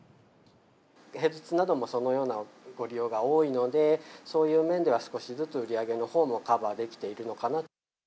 平日などもそのようなご利用が多いので、そういう面では、少しずつ売り上げのほうもカバーできているのかなと。